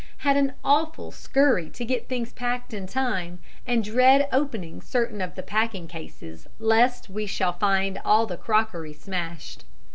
Had an awful scurry to get things packed in time, and dread opening certain of the packing cases lest we shall find all the crockery smashed.